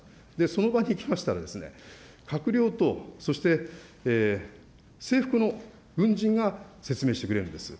その場に行きましたら、閣僚と、そして制服の軍人が説明してくれるんです。